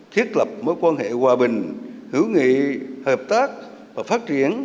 thiết lập mối quan hệ hòa bình hữu nghị hợp tác và phát triển